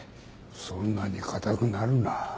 そんなに硬くなるな。